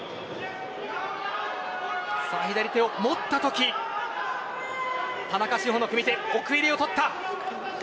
左手を持ったとき田中志歩の組み手奥襟を取った。